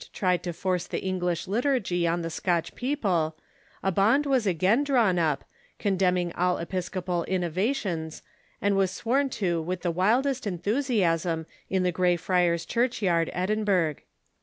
tried to force the English liturgy on the Scotch people, a bond was again drawn up, condemning all episcopal innovations, and was sworn to with the wildest enthusiasm in the Greyfriars church yard, Edinburgh.